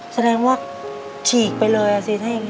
แสดงว่าฉีกไปเลยอ่ะสิถ้าอย่างนี้